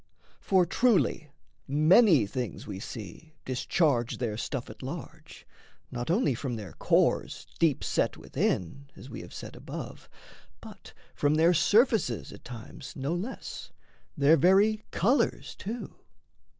For truly many things we see discharge Their stuff at large, not only from their cores Deep set within, as we have said above, But from their surfaces at times no less Their very colours too.